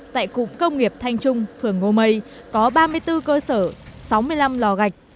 tại cụng công nghiệp thanh trung phường ngô mây có ba mươi bốn cơ sở sáu mươi năm lò gạch